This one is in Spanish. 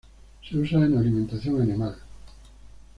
Se usa en alimentación animal.